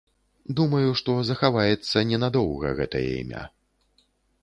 Думаю, што захаваецца ненадоўга гэтае імя.